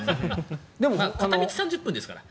片道３０分ですから。